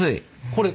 これ。